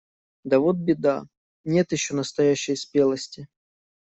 Да вот беда: нет еще настоящей спелости.